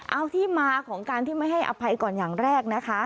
เอาที่มาของการที่ไม่ให้อภัยก่อนอย่างแรกนะคะ